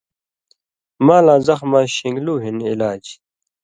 مالاں زخماں شن٘گلو ہِن علاج